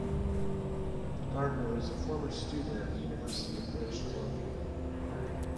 Gardiner is a former student at the University of British Columbia.